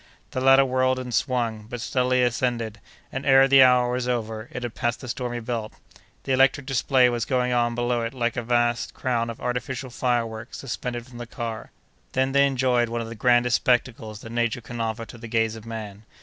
The latter whirled and swung, but steadily ascended, and, ere the hour was over, it had passed the stormy belt. The electric display was going on below it like a vast crown of artificial fireworks suspended from the car. Then they enjoyed one of the grandest spectacles that Nature can offer to the gaze of man.